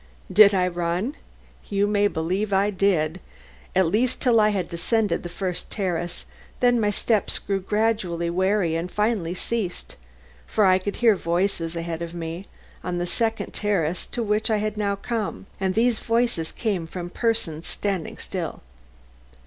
Did I run? You may believe I did, at least till I had descended the first terrace; then my steps grew gradually wary and finally ceased; for I could hear voices ahead of me on the second terrace to which I had now come, and these voices came from persons standing still.